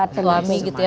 suami gitu ya